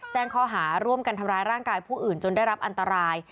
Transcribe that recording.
แจ้งข้อหาร่วมกันทำร้ายร่างกายผู้อื่นจนได้รับอันตราย